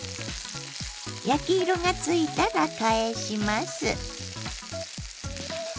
焼き色がついたら返します。